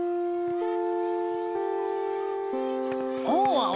うん。